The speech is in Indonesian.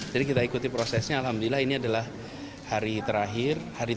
jadi kita ikuti prosesnya alhamdulillah ini adalah hari terakhir